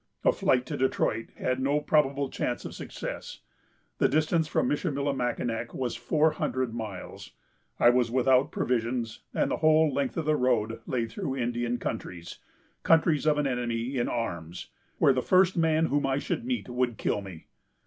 A flight to Detroit had no probable chance of success. The distance from Michillimackinac was four hundred miles; I was without provisions, and the whole length of the road lay through Indian countries, countries of an enemy in arms, where the first man whom I should meet would kill me.